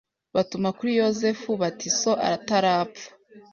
Batuma kuri Yosefu bati So atarapfa